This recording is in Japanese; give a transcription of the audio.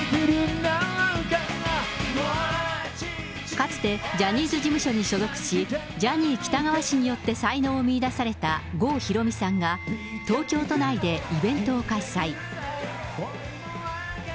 かつてジャニーズ事務所に所属し、ジャニー喜多川氏によって才能を見いだされた郷ひろみさんが、東京都内でイベントを開催。